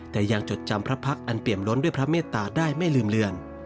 แต่ยังจดจำพระพักษ์อันเปี่ยมล้นด้วยพระเมตตาได้ไม่ลืมเลือน